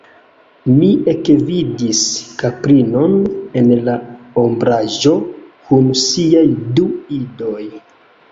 Mi ekvidis kaprinon en la ombraĵo kun siaj du idoj.